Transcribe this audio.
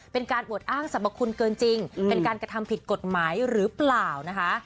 เป็นการอวดอ้างสรรพคุณเกินจริงเป็นการกระทำผิดกฎหมายหรือเปล่านะคะ